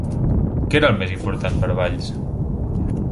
Què era el més important per Valls?